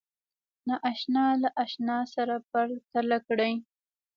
ناآشنا له آشنا سره پرتله کړئ